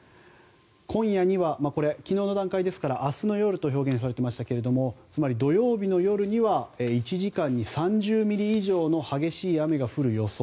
今夜には昨日の段階ですから明日の夜と表現されていましたがつまり土曜日の夜には１時間に３０ミリ以上の激しい雨が降る予想。